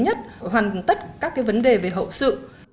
hoàn tất các vấn đề về hậu sự